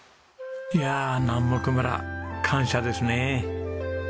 いやあ南牧村感謝ですね。